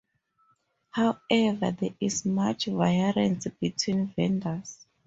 However, there is much variance between vendors.